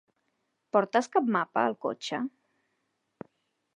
Portes cap mapa, al cotxe?